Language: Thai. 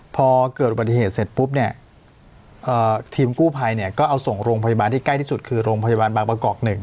พอเกิดอุบัติเหตุเสร็จปุ๊บเนี่ยทีมกู้ภัยเนี่ยก็เอาส่งโรงพยาบาลที่ใกล้ที่สุดคือโรงพยาบาลบางประกอบ๑